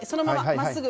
まっすぐ